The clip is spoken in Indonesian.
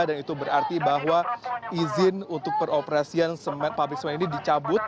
dan itu berarti bahwa izin untuk peroperasian pabrik semen ini dicabut